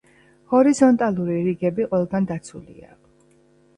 ჰორიზონტალური რიგები ყველგან დაცულია.